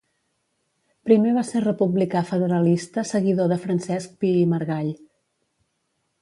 Primer va ser republicà federalista seguidor de Francesc Pi i Margall.